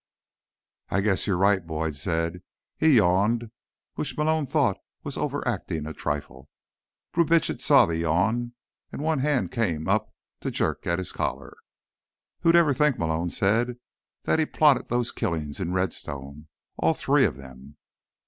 "I guess you're right," Boyd said. He yawned, which Malone thought was overacting a trifle. Brubitsch saw the yawn, and one hand came up to jerk at his collar. "Who'd ever think," Malone said, "that he plotted those killings in Redstone—all three of them?"